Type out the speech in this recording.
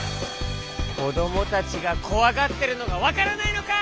こどもたちがこわがってるのがわからないのか！